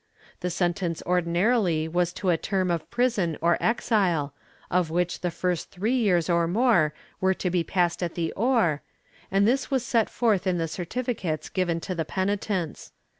The sentence ordinarily was to a term of prison or exile, of which the first three years or more were to be passed at the oar, and this was set forth in the certificates given to the penitents.